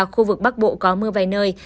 khu vực bắc bộ có mưa vài nơi